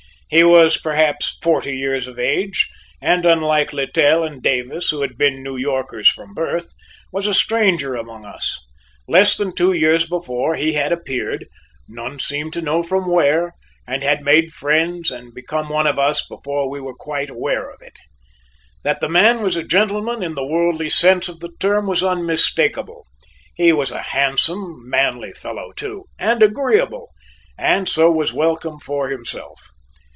He was, perhaps, forty years of age, and unlike Littell and Davis, who had been New Yorkers from birth, was a stranger among us. Less than two years before he had appeared, none seemed to know from where, and had made friends and become one of us before we were quite aware of it. That the man was a gentleman in the worldly sense of the term was unmistakable; he was a handsome, manly fellow, too, and agreeable, and so was welcome for himself.